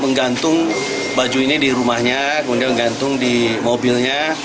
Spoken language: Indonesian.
menggantung baju ini di rumahnya kemudian menggantung di mobilnya